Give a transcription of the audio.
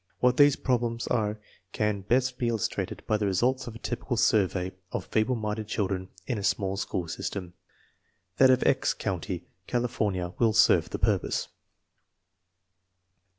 What these problems are can best be il lustrated by the results of a typical survey of feeble minded children in a small school system. That of " X " County, California, will serve the purpose.